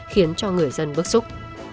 khiến cho người dân bức xúc